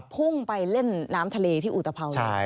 พุ่งไปเล่นน้ำทะเลที่อุตภาว